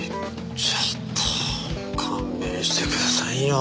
ちょっと勘弁してくださいよ。